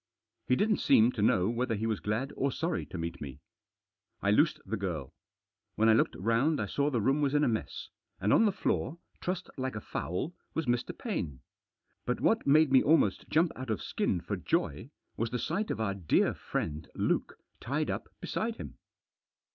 He didn't seem to know whether he was glad or sorry to meet me. I loosed the girl. When I looked round I saw the room was in a mess, and on the floor, trussed like a fowl, was Mr. Paine. But what made me almost jump out of skin for joy, was the sight of our dear friend Luke tied up beside him.